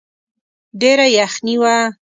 ډېره يخني وه.